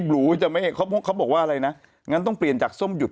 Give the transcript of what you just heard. หรูจะไม่เขาบอกว่าอะไรนะงั้นต้องเปลี่ยนจากส้มหยุด